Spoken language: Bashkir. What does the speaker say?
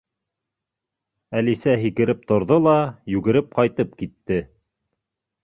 Әлисә һикереп торҙо ла, йүгереп ҡайтып китте.